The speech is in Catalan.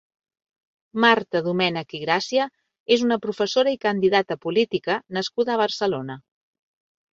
Marta Domènech i Gràcia és una professora i candidata política nascuda a Barcelona.